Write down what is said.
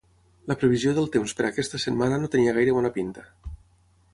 La previsió del temps per a aquesta setmana no tenia gaire bona pinta.